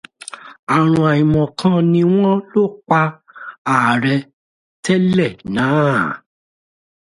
Ààrùn àìmọ̀ kan ni wọn ló pa ààrẹ tẹ́lẹ̀ náà.